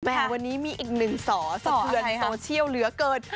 วันนี้มีอีกหนึ่งสอสะเทือนโซเชียลเหลือเกิน